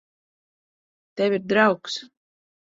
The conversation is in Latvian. Tev ir draugs.